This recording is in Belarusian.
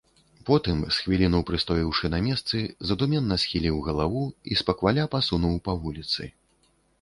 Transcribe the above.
Потым, з хвіліну прыстоіўшы на месцы, задуменна схіліў галаву і спакваля пасунуў па вуліцы.